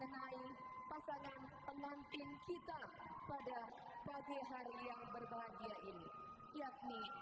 nai pasangan pengantin kita pada pagi hari yang berbahagia ini yakni